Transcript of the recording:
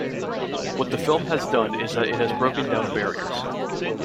What the film has done is that it has broken down barriers.